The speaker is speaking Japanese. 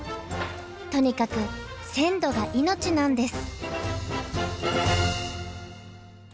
とにかく「鮮度」が命なんです。